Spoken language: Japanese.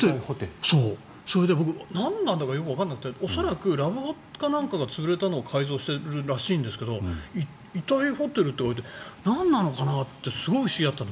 それで僕なんなのかよくわからなくて恐らく、ラブホか何かが潰れたのを改装してるらしいんだけど遺体ホテルってあってなんなのかなってすごい不思議だったの。